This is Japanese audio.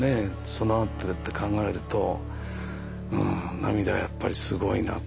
備わってるって考えるとうん涙はやっぱりすごいな。